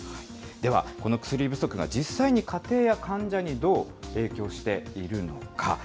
では、この薬不足が、実際に家庭や患者にどう影響しているのか。